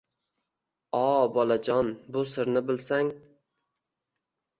— O, bolajon, bu sirni bilsang